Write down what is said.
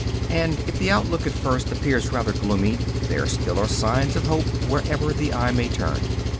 And if the outlook at first appear rather gloomy, there still are signs of hope wherever the eye may turn.